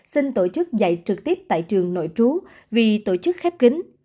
xin tổ chức dạy trực tiếp tại trường nội trú vì tổ chức khép kính